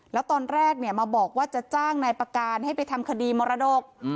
แล้วตอนแรกมาบอกว่าจะจ้างนายประการให้ไปทำคดีมรดก